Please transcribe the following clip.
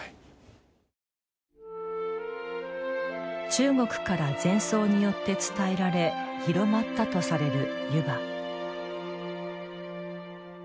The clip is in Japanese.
中国から禅僧によって伝えられ広まったとされる湯葉。